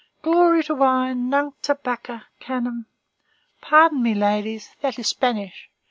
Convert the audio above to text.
"Glory to wine! Nunc te, Bacche, canam! Pardon me ladies; that is Spanish.